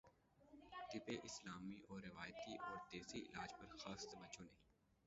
طب اسلامی اور روایتی اور دیسی علاج پرخاص توجہ نہیں